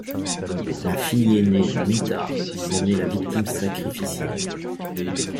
La fille aînée, Nita, en est la victime sacrificielle.